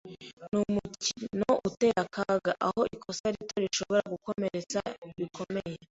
Numukino uteye akaga, aho ikosa rito rishobora gukomeretsa bikomeye.